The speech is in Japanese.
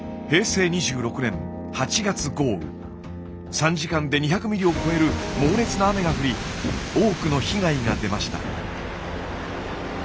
３時間で２００ミリを超える猛烈な雨が降り多くの被害が出ました。